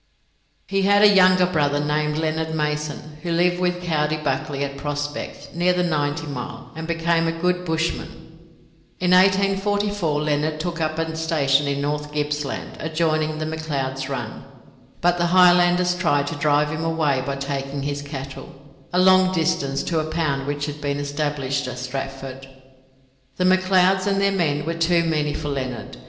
He had a younger brother named Leonard Mason, who lived with Coady Buckley at Prospect, near the Ninety Mile, and became a good bushman. In 1844 Leonard took up a station in North Gippsland adjoining the McLeod's run, but the Highlanders tried to drive him away by taking his cattle a long distance to a pound which had been established at Stratford. The McLeods and their men were too many for Leonard.